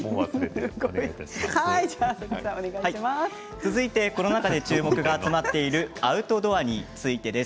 続いてコロナ禍で注目が集まっているアウトドアについてです。